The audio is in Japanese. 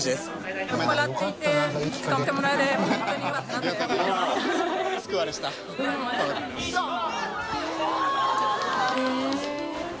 ありがとうございます。